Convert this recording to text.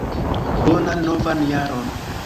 Bonan novan jaron!